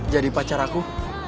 jadi pacar aku